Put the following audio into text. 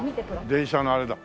電車のあれだ。